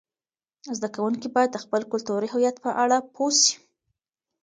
زده کوونکي باید د خپل کلتوري هویت په اړه پوه سي.